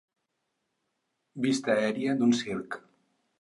Vista aèria d'un circ.